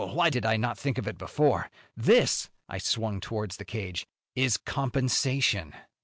Why did I not think of it before? This " I swung towards the cage "is compensation."